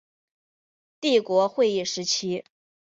帝国议会时期。